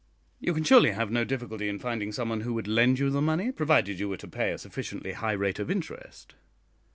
"You can surely have no difficulty in finding some one who would lend you the money, provided you were to pay a sufficiently high rate of interest."